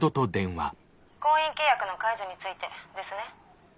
婚姻契約の解除についてですね？